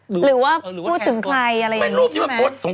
หรือว่าพูดถึงใครอะไรอย่างนี้